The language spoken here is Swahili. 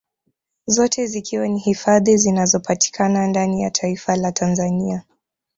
Zote zikiwa ni hifadhi zinazopatikana ndani ya taifa la Tanzania